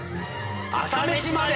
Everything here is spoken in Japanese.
『朝メシまで。』！